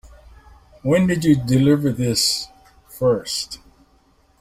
When did you deliver this first?